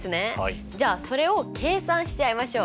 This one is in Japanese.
じゃあそれを計算しちゃいましょう。